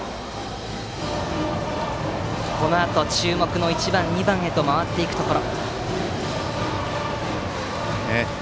このあと注目の１番、２番へと回っていくところ。